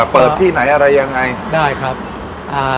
เปิดที่ไหนยังไง